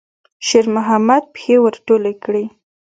شېرمحمد پښې ور ټولې کړې.